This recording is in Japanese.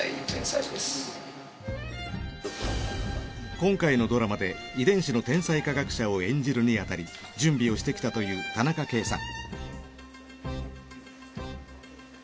今回のドラマで遺伝子の天才科学者を演じるにあたり準備をしてきたという田中圭さん。